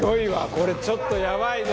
これちょっとやばいぞ！